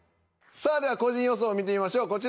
さあでは個人予想見てみましょう。